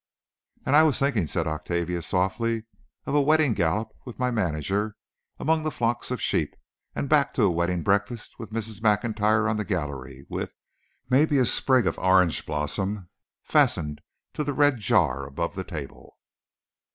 "And I was thinking," said Octavia, softly, "of a wedding gallop with my manager among the flocks of sheep and back to a wedding breakfast with Mrs. MacIntyre on the gallery, with, maybe, a sprig of orange blossom fastened to the red jar above the table."